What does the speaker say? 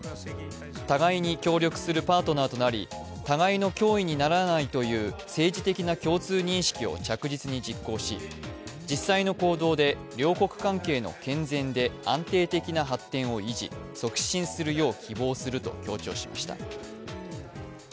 互いに協力するパートナーとなり互いの脅威にならないという政治的な共通認識を着実に実行し、実際の行動で両国関係の健全で安定的な発展を維持、促進するよう希望すると強調しました。